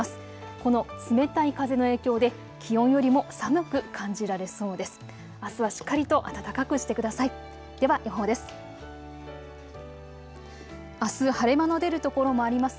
この冷たい風の影響で気温よりも寒く感じられそうです。